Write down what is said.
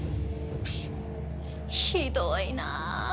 ひどいな。